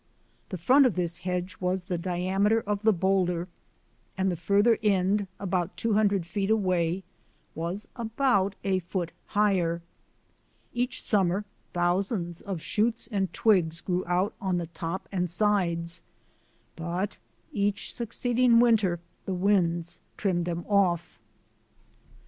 The front of this hedge was the diameter of the boulder, and the farther end, about two hundred feet away, was about a foot higher. Each summer thousands of shoots and twigs grew out on the top and sides, but each succeeding winter the winds trimmed them off.